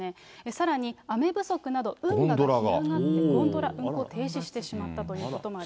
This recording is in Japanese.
さらに雨不足など、運河が干上がって、ゴンドラの運航が停止してしまったということなんです。